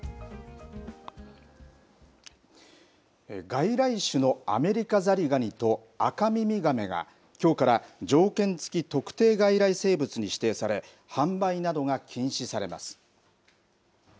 外来種のアメリカザリガニとアカミミガメが、きょうから条件付き特定外来生物に指定され販売などが禁止されます。